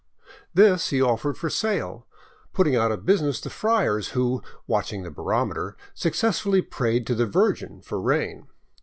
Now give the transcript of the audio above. This he offered 549 VAGABONDING DOWN THE ANDES for sale, putting out of business the friars who, watching the barometer, successfully prayed to the Virgin for rain.